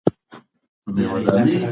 برېښنا بې ځایه مه لګوئ.